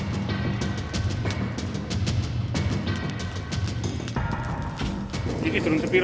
ini itu yang kita pilih